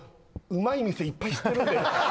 「旨い店いっぱい知ってるので」